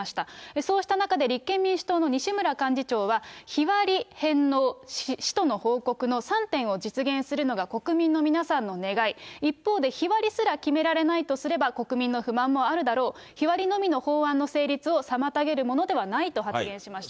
そうした中で立憲民主党の西村幹事長は日割り、返納、使途の報告の３点を実現するのが国民の皆さんの願い、一方で日割りすら決められないとすれば、国民の不満もあるだろう、日割りのみの法案の成立を妨げるものではないと発言しました。